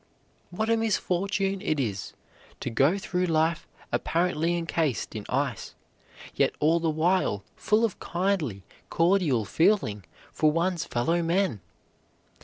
What a misfortune it is to go through life apparently encased in ice, yet all the while full of kindly, cordial feeling for one's fellow men!